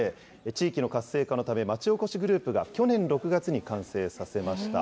地域の活性化のため、町おこしグループが去年６月に完成させました。